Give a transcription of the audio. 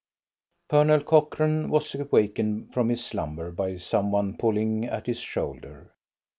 Colonel Cochrane was awakened from his slumber by some one pulling at his shoulder.